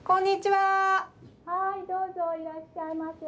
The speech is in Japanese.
・はいどうぞいらっしゃいませ。